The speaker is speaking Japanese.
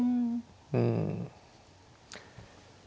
うん。